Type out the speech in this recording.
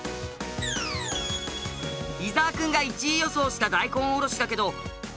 伊沢くんが１位予想した大根おろしだけど。